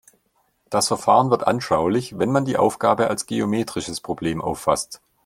Das Verfahren wird anschaulich, wenn man die Aufgabe als geometrisches Problem auffasst.